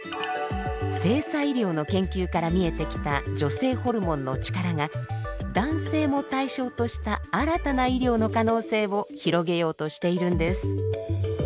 性差医療の研究から見えてきた女性ホルモンのチカラが男性も対象とした新たな医療の可能性を広げようとしているんです。